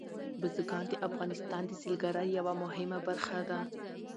بزګان د افغانستان د سیلګرۍ یوه مهمه برخه ده.